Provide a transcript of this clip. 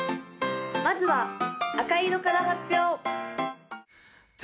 まずは赤色から発表！